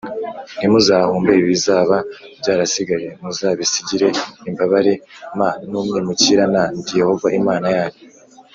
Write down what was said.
ntimuzahumbe ibizaba byarasigaye l Muzabisigire imbabare m n umwimukira n Ndi Yehova Imana yanyu